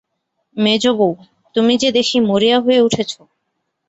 মেজোবউ, তুমি যে দেখি মরিয়া হয়ে উঠেছ!